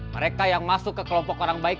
mereka yang masuk ke kelompok orang baik